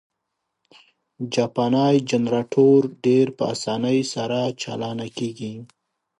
جاپانی جنرټور ډېر په اسانۍ سره چالانه کېږي.